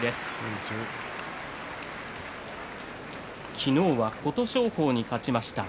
昨日は琴勝峰に勝ちました